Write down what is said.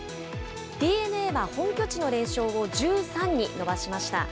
ＤｅＮＡは本拠地の連勝を１３に伸ばしました。